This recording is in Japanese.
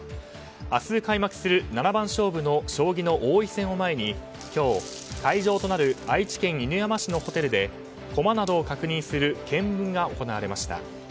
明日開幕する七番勝負の将棋の王位戦を前に今日、会場となる愛知県犬山市のホテルで駒などを確認する検分が行われました。